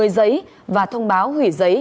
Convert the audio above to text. một mươi giấy và thông báo hủy giấy